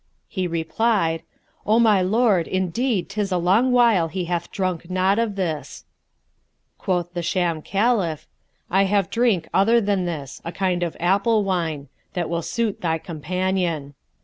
He replied, "O my lord, indeed 'tis a long while he hath drunk naught of this." Quoth the sham Caliph, "I have drink other than this, a kind of apple wine,[FN#188] that will suit thy companion."